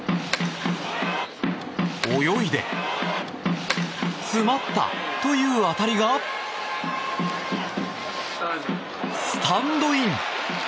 泳いで、詰まったという当たりがスタンドイン！